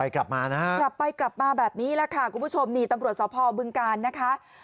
กลับไปกลับมาแบบนี้แหละค่ะคุณผู้ชมตำรวจสอบพ่อบึงการนะคะ